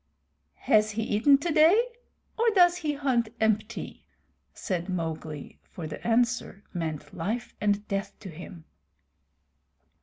"Has he eaten today, or does he hunt empty?" said Mowgli, for the answer meant life and death to him.